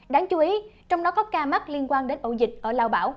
đáng chú ý trong đó có ca mắc liên quan đến ẩu dịch ở lao bảo